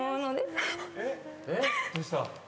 どうした？